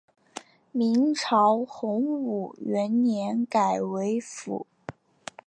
明朝洪武元年改为府。